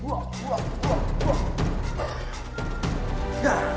wah ini dia nih